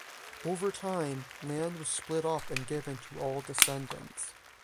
Over time, land was split up and given to all descendants.